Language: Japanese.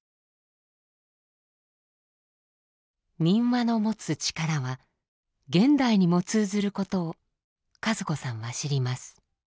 民話の持つ力は現代にも通ずることを和子さんは知ります。